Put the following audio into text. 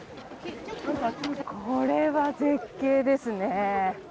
これは絶景ですね。